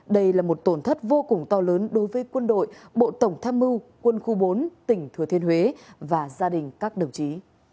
đây là một tổn thất vô cùng to lớn đối với quân đội bộ tổng tham mưu quân khu bốn tỉnh thừa thiên huế và gia đình các đồng chí